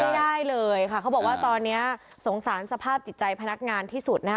ไม่ได้เลยค่ะเขาบอกว่าตอนนี้สงสารสภาพจิตใจพนักงานที่สุดนะคะ